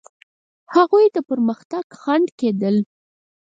هغوی د پرمختګ خنډ کېدل.